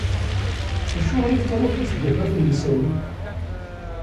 Acuɣer i fkan afus deg atmaten-nsen?